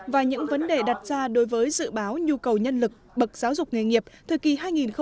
và những vấn đề đặt ra đối với dự báo nhu cầu nhân lực bậc giáo dục nghề nghiệp